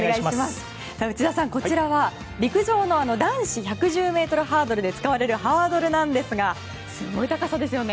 内田さん、こちらは男子１１０ｍハードルで使われるハードルなんですがすごい高さですよね。